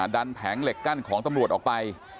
แผงเหล็กกั้นของตำรวจออกไป